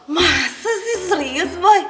masa sih serius boy